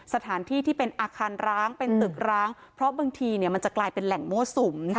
สถานที่ที่เป็นอาคารร้างเป็นตึกร้างเพราะบางทีมันจะกลายเป็นแหล่งมั่วสุม